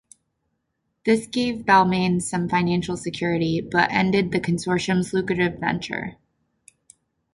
This gave Balmain some financial security, but ended the consortium's lucrative venture.